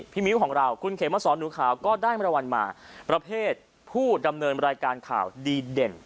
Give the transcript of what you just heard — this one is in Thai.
พี่มิวแขมเม้าสอนหนูขาวก็ได้รางวัลมาผู้ดำเนินบรรยายการข่าวดีเด่น